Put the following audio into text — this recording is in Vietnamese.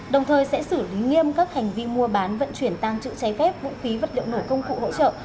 đồng thời sẽ xử lý nghiêm các hành vi mua bán vận chuyển tăng trữ cháy phép vũ khí vật liệu nổ công cụ hỗ trợ